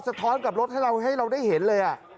ท้อนกับรถให้เราได้เห็นเลย